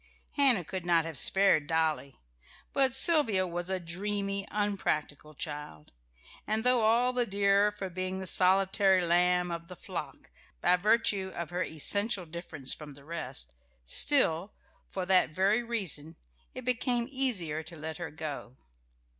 Hannah could not have spared Dolly; but Sylvia was a dreamy, unpractical child, and though all the dearer for being the solitary lamb of the flock by virtue of her essential difference from the rest, still, for that very reason, it became easier to let her go.